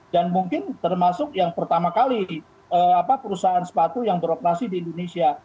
dan mungkin termasuk yang pertama kali perusahaan sepatu yang beroperasi di indonesia